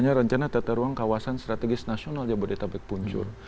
ini rencana tata ruang kawasan strategis nasional jabodetabek puncur